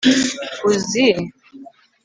Uzi